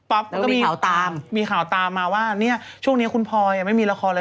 แล้วก็มีข่าวตามมีข่าวตามมาว่าเนี่ยช่วงนี้คุณพอยไม่มีละครอะไร